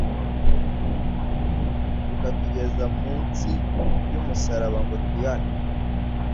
ukatugeza munsi y'umusaraba ngo twihane.